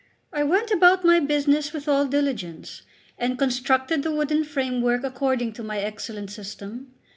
I went about my business with all diligence, and constructed the wooden framework according to my excellent system.